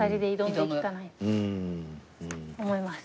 と思います。